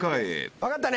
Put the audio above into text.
分かったね？